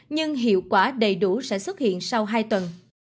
nhưng hiệu quả đầy đủ sẽ xuất hiện sau hai tuần